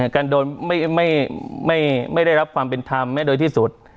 การโดยไม่ได้รับความเป็นธรรมโดยที่สุด